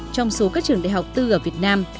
trong số các trường đại học tư ở việt nam